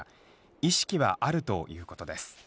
意識はあるということです。